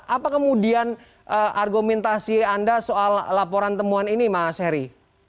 apa kemudian argumentasi anda soal laporan temuan ini mas heri